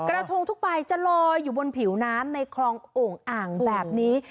กระทงทุกใบจะลอยอยู่บนผิวน้ำในคลองโอ่งอ่างแบบนี้